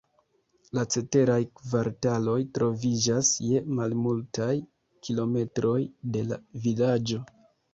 La ceteraj kvartaloj troviĝas je malmultaj kilometroj de la vilaĝo.